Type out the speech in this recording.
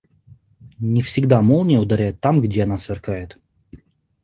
Не всегда молния ударяет там, где она сверкает.